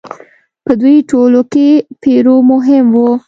په دوی ټولو کې پیرو مهم و.